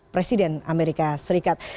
presiden amerika serikat